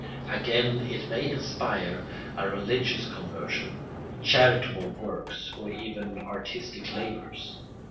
Again it may inspire a religious conversion, charitable works, or even artistic labours.